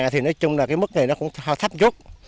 chín thì nói chung là cái mức này nó cũng thấp chút